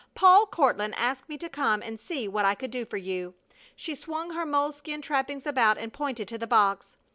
"Paul Courtland asked me to come and see what I could do for you." She swung her moleskin trappings about and pointed to the box.